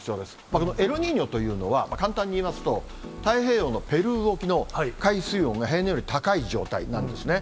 このエルニーニョというのは、簡単にいいますと、太平洋のペルー沖の海水温が平年より高い状態なんですね。